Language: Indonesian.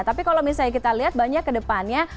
tapi kalau misalnya kita lihat banyak ke depannya